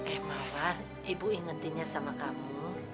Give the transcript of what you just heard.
eh mawar ibu ingetinnya sama kamu